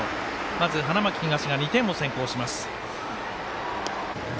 まず、花巻東が２点を先行します。